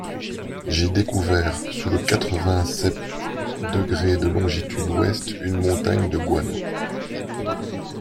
J’ai découvert sous le quatre-vingt-septe degré de longitude ouest… une montagne de guano…